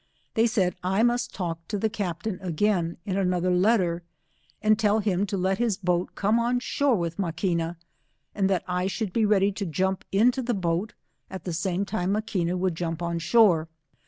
They said I must talk to the captain again, in another letter, and tell him to let his boat come on shore with Ma quina, and that I should be ready to jump into the boat at the same time Maquina should jump on shore.